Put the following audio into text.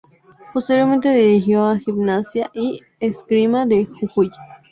Posteriormente dirigió a Gimnasia y Esgrima de Jujuy.